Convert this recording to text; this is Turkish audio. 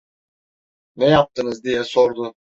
"Ne yaptınız?" diye sordu.